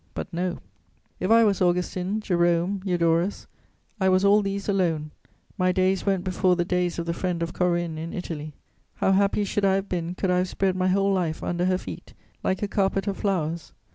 But no; if I was Augustine, Jerome, Eudorus, I was all these alone; my days went before the days of the friend of Corinne in Italy. How happy should I have been could I have spread my whole life under her feet like a carpet of flowers!